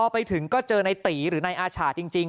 ไม่ถึงก็เจอในตี๋หรือในอาช่าจริง